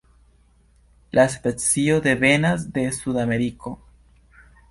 La specio devenas de Sudameriko.